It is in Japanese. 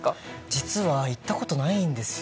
実は行ったことないんですよ。